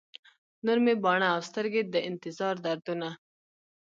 نور مې باڼه او سترګي، د انتظار دردونه